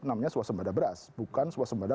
namanya suasembada beras bukan suasembada